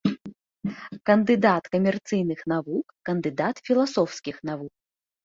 Кандыдат камерцыйных навук, кандыдат філасофскіх навук.